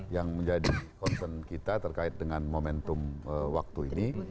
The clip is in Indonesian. yang menjadi concern kita terkait dengan momentum waktu ini